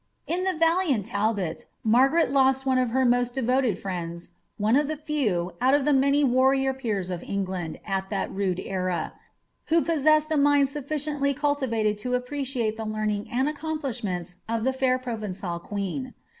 In the valiant Talbot, Margaret lost one of her most devoted friends — one of tlie few, out of the many warrior peers of England, at that nide ere, who possessed a mind sufficiently cultivated to appreciate the learning and accomplishments of tlie lair Pn>ven9a] queen.